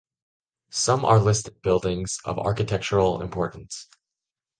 Some are listed buildings of architectural importance.